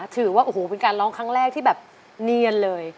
ถือว่าโอ้โหเป็นการร้องครั้งแรกที่แบบเนียนเลย